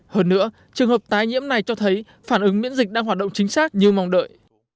hơn nữa trường hợp tái nhiễm này cho thấy phản ứng miễn dịch đang hoạt động chính xác như mong đợi